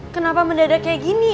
kenapa mendadak kayak gini